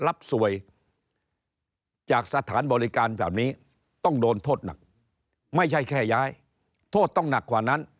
รับสวยจากสถานบริการแบบนี้ต้องโดนโทษหนักไม่ใช่แค่ย้ายโทษต้องหนักกว่านั้น